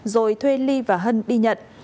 rồi thuê ly và hân đi nhận